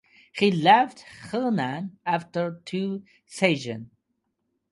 He left Henan after two seasons.